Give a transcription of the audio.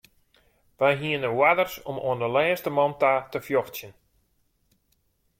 Wy hiene oarders om oan de lêste man ta te fjochtsjen.